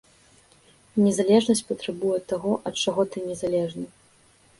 Незалежнасць патрабуе таго, ад чаго ты незалежны.